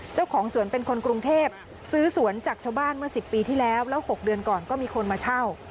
เจ้าของสวนเป็นคนกรุงเทพซื้อสวนจากชาวบ้านเมื่อ๑๐ปีที่แล้วแล้ว๖เดือนก่อนก็มีคนมาเช่า